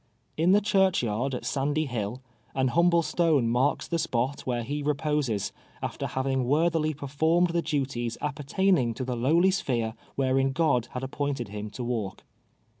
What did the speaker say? In the church yard at Sandy Ilill, an humble stone marks the spot where he reposes, after having worthily performed the duties appertaining to the lowly sphere wherein God had appointed him to walk.